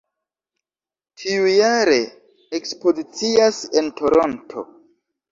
Tiujare ekspozicias en Toronto.